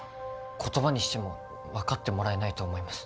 言葉にしても分かってもらえないと思います